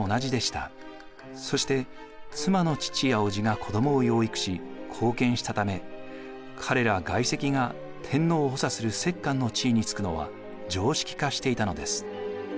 そして妻の父やおじが子どもを養育し後見したため彼ら外戚が天皇を補佐する摂関の地位につくのは常識化していたのです。